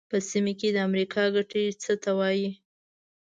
په سیمه کې د امریکا ګټې څه ته وایي.